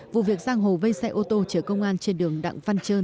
vụ việc giang hồ vây xe ô tô chở công an trên đường đặng văn trơn